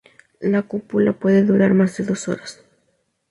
La cópula puede durar más de dos horas.